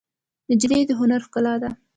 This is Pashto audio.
نجلۍ د هنر ښکلا ده.